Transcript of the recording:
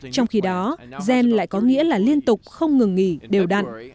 trong khi đó gen lại có nghĩa là liên tục không ngừng nghỉ đều đặn